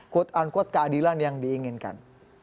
quote unquote keadilan yang diinginkan